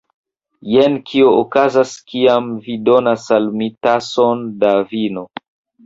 Jen kio okazas kiam vi donas al mi tason da vino